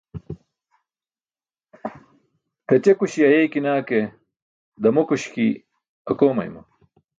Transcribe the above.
Gaćekuśi ayeykinaa ke, ḍamokuśi akoomayma.